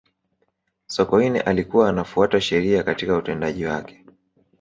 sokoine alikuwa anafuata sheria katika utendaji wake